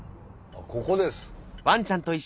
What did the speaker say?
ここです。